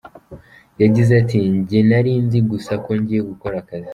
Yagize ati:" Njye nari nzi gusa ko ngiye gukora akazi.